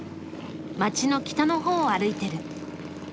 街の北のほうを歩いてる。